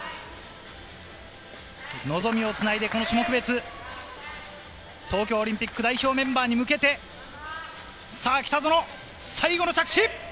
望みをつないでこの種目別、東京オリンピック代表メンバーに向けて北園、最後の着地。